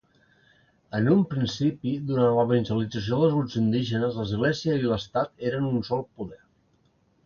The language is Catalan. En un principi durant l'evangelització dels grups indígenes l'Església i l'Estat eren un sol poder.